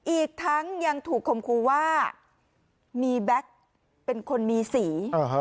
อีกทั้งยังถูกคมครูว่ามีแบ็คเป็นคนมีสี